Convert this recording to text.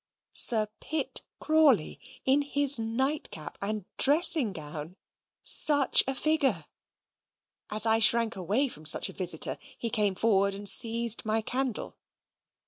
Sir Pitt Crawley in his night cap and dressing gown, such a figure! As I shrank away from such a visitor, he came forward and seized my candle.